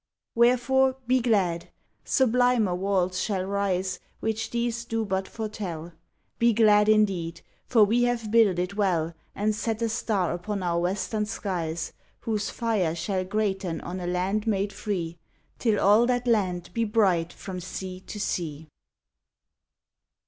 Wherefore, be glad ! Sublimer walls shall rise, Which these do but foretell. Be glad, indeed! For we have builded well And set a star upon our western skies Whose fire shall gr eaten on a land made free, Till all that land be bright from sea to sea!